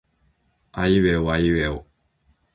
あいうえおあいうえお